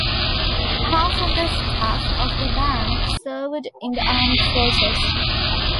Half the staff of the bank served in the armed forces.